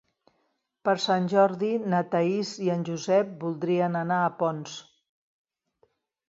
Per Sant Jordi na Thaís i en Josep voldrien anar a Ponts.